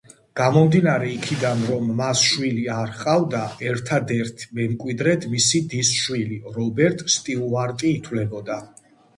გამომდინარე იქიდან, რომ მას შვილი არ ჰყავდა, ერთადერთ მემკვიდრედ მისი დისშვილი, რობერტ სტიუარტი ითვლებოდა.